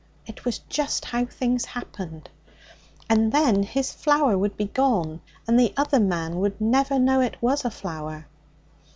It was just how things happened. And then his flower would be gone, and the other man would never know it was a flower.